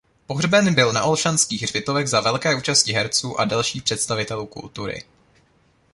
Pohřben byl na Olšanských hřbitovech za velké účasti herců a dalších představitelů kultury.